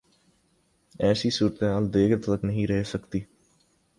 ایسی صورتحال دیر تک نہیں رہ سکتی۔